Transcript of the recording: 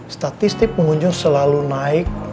statistik pengunjung selalu naik